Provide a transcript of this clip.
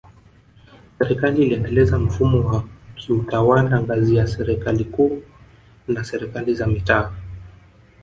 Serikali iliendeleza mfumo wa kiutawala ngazi ya Serikali Kuu na Serikali za Mitaa